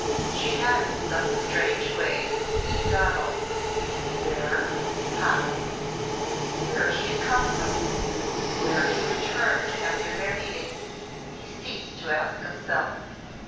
She had in some strange way seen Donal. Where how where he had come from where he returned after their meeting he ceased to ask himself.